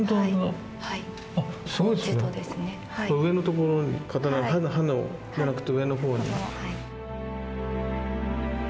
上のところに刃じゃなくて上のほうに。